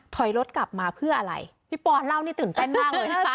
ถอยรถกลับมาเพื่ออะไรพี่ปอนเล่านี่ตื่นเต้นมากเลยนะคะ